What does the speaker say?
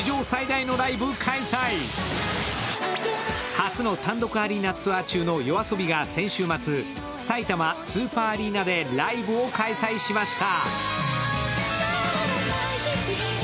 初の単独アリーナツアー中のＹＯＡＳＯＢＩが先週末、さいたまスーパーアリーナでライブを開催しました。